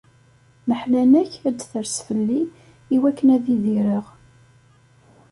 Leḥnana-k ad d-ters fell-i iwakken ad idireɣ.